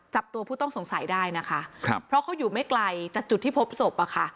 จับตัวผู้ต้องสงสัยได้นะคะครับเพราะเขาอยู่ไม่ไกลจากจุดที่พบศพอะค่ะ